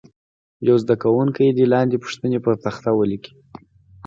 یو زده کوونکی دې لاندې پوښتنې پر تخته ولیکي.